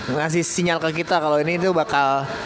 ngasih sinyal ke kita kalau ini itu bakal